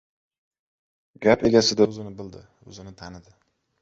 Gap egasi-da o‘zini bildi, o‘zini tanidi.